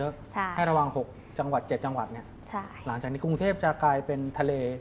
กรุงเทพจะกลายเป็นทะเล